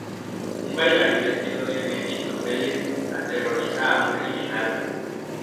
Un bailarín vestido de Mefistófeles aterroriza a un criminal.